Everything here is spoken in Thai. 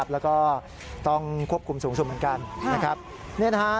แล้วก็ต้องควบคุมสูงสุดเหมือนกันนะครับ